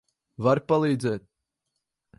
Vari palīdzēt?